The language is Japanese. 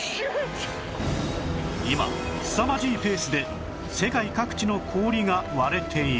今すさまじいペースで世界各地の氷が割れている